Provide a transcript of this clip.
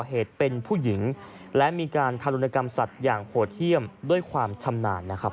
เหตุเป็นผู้หญิงและมีการทารุณกรรมสัตว์อย่างโหดเยี่ยมด้วยความชำนาญนะครับ